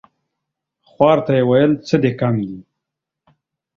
خوار ته يې ويل څه دي کم دي ؟